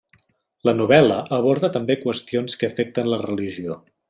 La novel·la aborda també qüestions que afecten la religió.